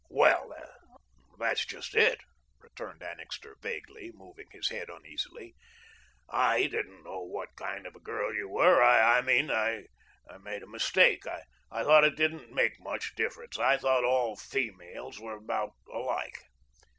"Well, that's just it," returned Annixter vaguely, moving his head uneasily. "I didn't know what kind of a girl you were I mean, I made a mistake. I thought it didn't make much difference. I thought all feemales were about alike."